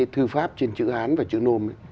thư pháp trên chữ hán và chữ nôm